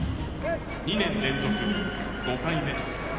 ２年連続５回目。